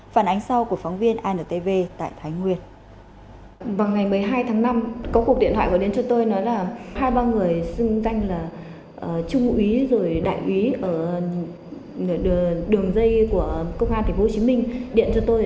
vào ngày một mươi hai tháng năm có cuộc điện thoại đến cho tôi nói là hai ba người xưng danh là trung ủy rồi đại ủy ở đường dây của công an tp hcm điện cho tôi